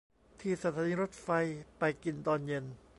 ที่สถานีรถไฟไปกินตอนเย็น